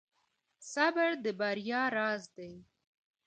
• صبر د بریا راز دی.